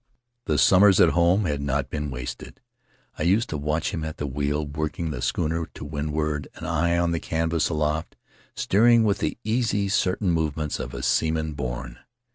The summers at home had not been wasted; I used to watch him at the wheel, working the schooner to windward, an eye on the canvas aloft, steering with the easy certain movements of a seaman born.